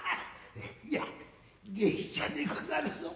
いや芸者でござるぞ。